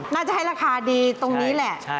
น่าจะให้ราคาดีตรงนี้แหละ